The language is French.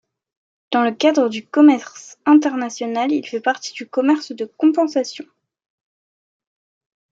Dans le cadre du commerce international, il fait partie du commerce de compensation.